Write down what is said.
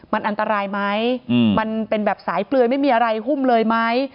มันอันตรายไหมมันเป็นแบบสายเปลือยไม่มีอะไรหุ้มเลยไหม